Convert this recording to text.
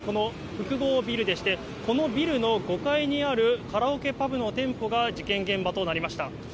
黒っぽいこの複合ビルでして、このビルの５階にあるカラオケパブの店舗が事件現場となりました。